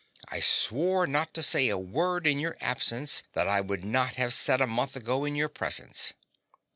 I swore not to say a word in your absence that I would not have said a month ago in your presence.